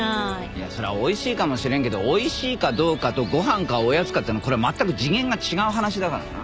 いやそりゃ美味しいかもしれんけど美味しいかどうかとごはんかおやつかってのはこれ全く次元が違う話だからな。